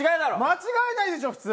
間違えないでしょう、普通。